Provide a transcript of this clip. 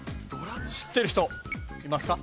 知ってる人いますか？